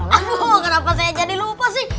aduh kenapa saya jadi lupa sih